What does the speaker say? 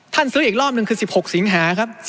ท่านซื้ออีกรอบนึงคือ๑๖ศีลหาครับ